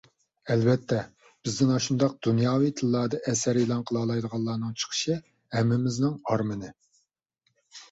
ئەلۋەتتە، بىزدىن ئاشۇنداق دۇنياۋى تىللاردا ئەسەر ئېلان قىلالايدىغانلارنىڭ چىقىشى ھەممىمىزنىڭ ئارمىنى.